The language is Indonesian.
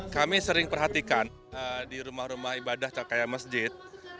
kami sering perhatikan di rumah rumah ibadah kayak masjid